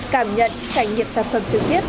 cảm nhận trải nghiệm sản phẩm trực tiếp